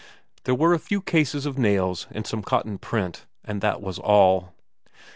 There were a few cases of nails and some cotton print, and that was all.